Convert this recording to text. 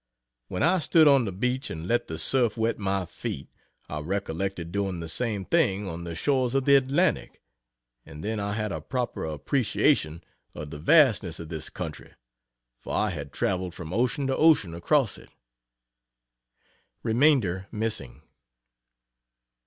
When I stood on the beach and let the surf wet my feet, I recollected doing the same thing on the shores of the Atlantic and then I had a proper appreciation of the vastness of this country for I had traveled from ocean to ocean across it. (Remainder missing.)